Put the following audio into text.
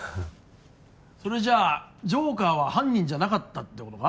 それじゃジョーカーは犯人じゃなかったってことか？